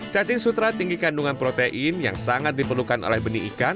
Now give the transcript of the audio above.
cacing sutra tinggi kandungan protein yang sangat diperlukan oleh benih ikan